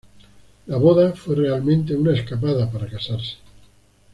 La boda fue realmente una escapada para casarse.